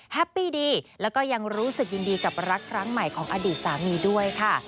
แฮปปี้ดีแล้วก็ยังรู้สึกยินดีกับรักครั้งใหม่ของอดีตสามีด้วยค่ะ